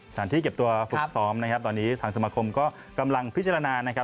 สารที่เอาเก็บตัวฝุกซ้อมทางสมคมก็กำลังพิจารณา